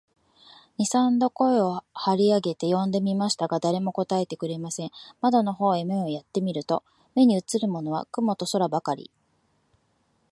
二三度声を張り上げて呼んでみましたが、誰も答えてくれません。窓の方へ目をやって見ると、目にうつるものは雲と空ばかり、